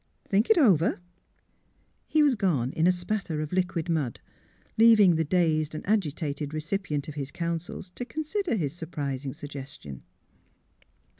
Think it over." He was gone in a spatter of liquid mud, leaving the dazed and agitated recipient of his counsels to consider his surprising suggestion.